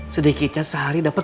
sedikitnya sehari dapat tiga puluh